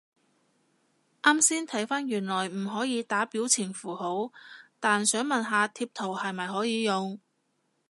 啱先睇返原來唔可以打表情符號，但想問下貼圖係咪可以用？